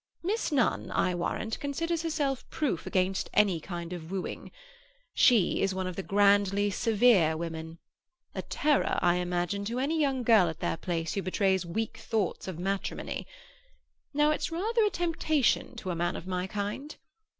"Miss Nunn, I warrant, considers herself proof against any kind of wooing. She is one of the grandly severe women; a terror, I imagine, to any young girl at their place who betrays weak thoughts of matrimony. Now, it's rather a temptation to a man of my kind.